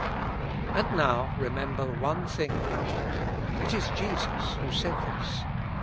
And now, remember one thing more: It is Jesus who said this.